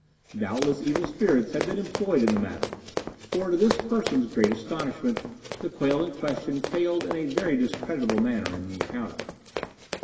Doubtless evil spirits had been employed in the matter; for, to this person's great astonishment, the quail in question failed in a very discreditable manner at the encounter.